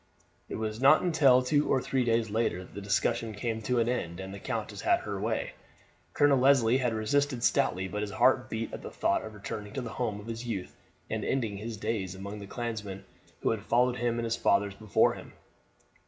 It was not until two or three days later that the discussion came to an end and the countess had her way. Colonel Leslie had resisted stoutly, but his heart beat at the thought of returning to the home of his youth and ending his days among the clansmen who had followed him and his fathers before him.